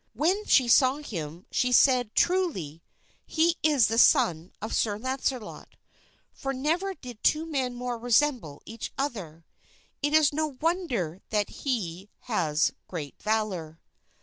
When she saw him she said, "Truly, he is the son of Sir Launcelot, for never did two men more resemble each other; it is no wonder that he has great valor."